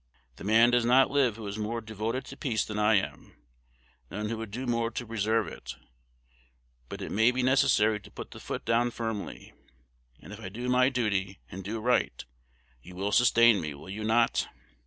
The man does not live who is more devoted to peace than I am, none who would do more to preserve it. But it maybe necessary to put the foot down firmly_. And if I do my duty, and do right, you will sustain me: will you not?